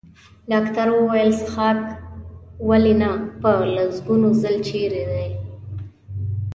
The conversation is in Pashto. ډاکټر وویل: څښاک؟ ولې نه، په لسګونو ځل، چېرې دی؟